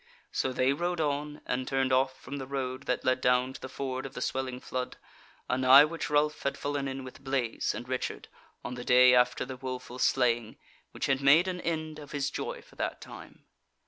So they rode on, and turned off from the road that led down to the ford of the Swelling Flood, anigh which Ralph had fallen in with Blaise and Richard on the day after the woeful slaying, which had made an end of his joy for that time.